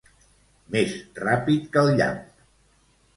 Més ràpid que el llamp!